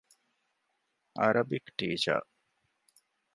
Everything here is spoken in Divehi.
ޢަރަބިކް ޓީޗަރ